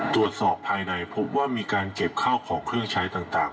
ตรวจสอบภายในพบว่ามีการเก็บข้าวของเครื่องใช้ต่าง